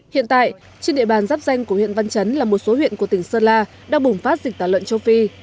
hiện tại trên địa bàn dắp danh của huyện văn chấn là một số huyện của tỉnh sơn la đang bùng phát dịch tả lợn châu phi